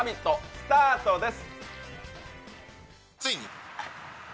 スタートです。